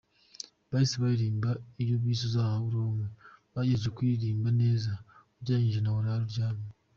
Bahise baririmba iyo bise Uzahahe uronke bagerageza kuyiririmba neza ugereranyije na Urare aharyana.